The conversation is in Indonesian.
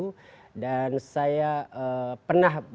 saya sudah berapa kali memantau pembahasan undang undang pemilu